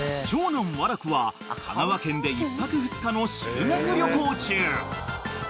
［長男和楽は香川県で１泊２日の修学旅行中］